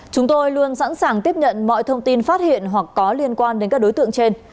chúng tôi luôn sẵn sàng tiếp nhận mọi thông tin phát hiện hoặc có liên quan đến các đối tượng trên